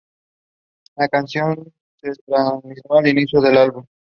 La canción se trasladó al inicio del álbum.